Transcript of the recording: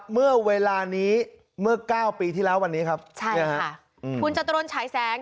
เมื่อเวลานี้เมื่อเก้าปีที่แล้ววันนี้ครับใช่เนี่ยค่ะคุณจตุรนฉายแสง